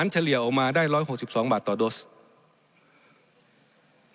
เฉลี่ยออกมาได้๑๖๒บาทต่อโดส